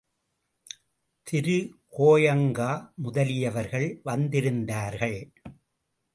திரு கோயங்கா முதலியவர்கள் வந்திருந்தார்கள்.